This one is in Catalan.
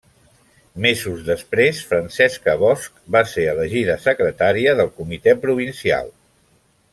Mesos després Francesca Bosch va ser elegida secretària del Comitè Provincial.